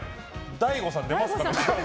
大悟さん、出ますかね？